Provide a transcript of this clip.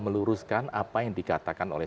meluruskan apa yang dikatakan oleh